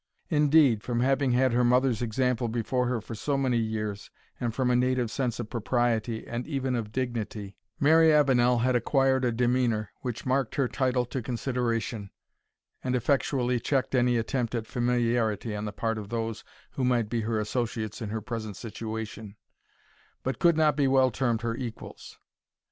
Indeed, from having had her mother's example before her for so many years, and from a native sense of propriety and even of dignity, Mary Avenel had acquired a demeanour, which marked her title to consideration, and effectually checked any attempt at familiarity on the part of those who might be her associates in her present situation, but could not be well termed her equals.